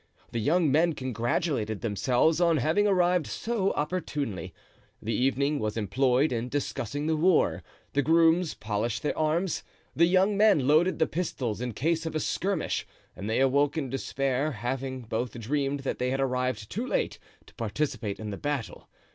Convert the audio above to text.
The young men congratulated themselves on having arrived so opportunely. The evening was employed in discussing the war; the grooms polished their arms; the young men loaded the pistols in case of a skirmish, and they awoke in despair, having both dreamed that they had arrived too late to participate in the battle.